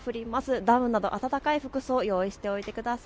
ダウンなど暖かい服装を用意してください。